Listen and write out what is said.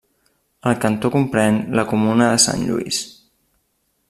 El cantó comprèn la comuna de Saint-Louis.